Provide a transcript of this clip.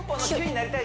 なりたい！